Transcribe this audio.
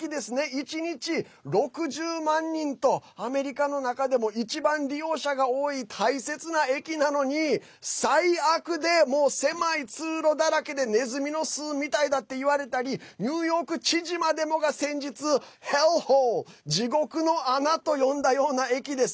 １日６０万人とアメリカの中でも一番利用者が多い大切な駅なのに最悪で、狭い通路だらけでねずみの巣みたいだって言われたりニューヨーク知事までもが先日Ｈｅｌｌｈｏｌｅ地獄の穴と呼んだような駅です。